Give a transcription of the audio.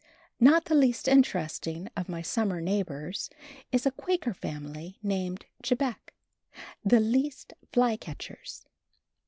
Not the least interesting of my summer neighbors is a Quaker family named Chebec, the least fly catchers.